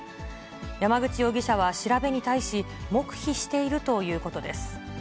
山口容疑者は調べに対し、黙秘しているということです。